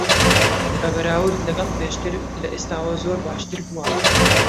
بە بەراورد لەگەڵ پێشتر، لە ئێستاوە زۆر باشتر بووە.